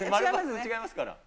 違いますから。